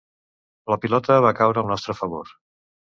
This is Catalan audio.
La pilota va caure al nostre favor.